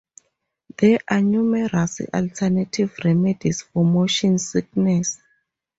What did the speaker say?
There are numerous alternative remedies for motion sickness.